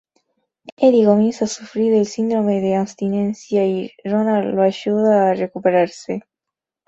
Eddie comienza a sufrir del síndrome de abstinencia y Roland lo ayuda a recuperarse.